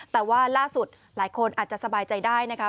แต่ว่าล่าสุดหลายคนอาจจะสบายใจได้นะคะ